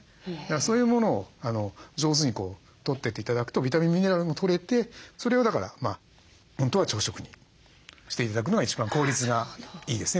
そういうものを上手にとってって頂くとビタミンミネラルもとれてそれをだから本当は朝食にして頂くのが一番効率がいいですね。